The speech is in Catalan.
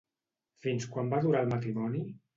Fins quan va durar el matrimoni?